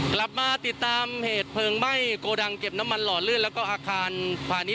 กลับมาติดตามเหตุเพลิงไหม้โกดังเก็บน้ำมันหล่อลื่นแล้วก็อาคารพาณิช